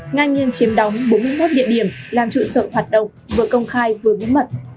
ngang nhiên chiếm đóng bốn mươi một địa điểm làm trụ sở hoạt động vừa công khai vừa bí mật